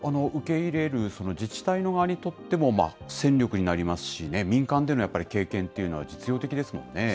受け入れる自治体の側にとっても、戦力になりますしね、民間でのやっぱり経験というのは実用的ですもんね。